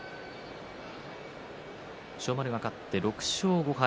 千代丸が勝って６勝５敗